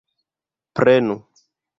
Prenu!